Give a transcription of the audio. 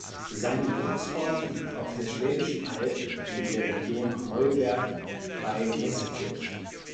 Sein Geburtsort liegt auf der Schwäbischen Alb in der Region Heuberg bei Meßkirch.